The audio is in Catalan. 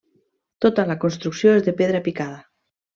Tota la construcció és de pedra picada.